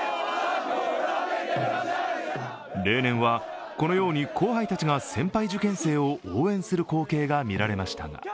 例年は、このように後輩たちが先輩受験生を応援する光景が見られました。